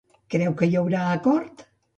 Creu que hi haurà acord?